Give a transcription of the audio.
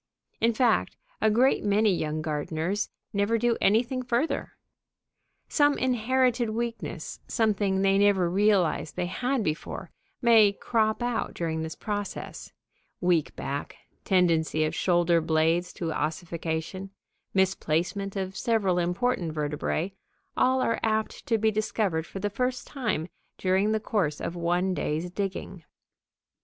In fact, a great many young gardeners never do anything further. Some inherited weakness, something they never realized they had before, may crop out during this process: weak back, tendency of shoulder blades to ossification, misplacement of several important vertebræ, all are apt to be discovered for the first time during the course of one day's digging.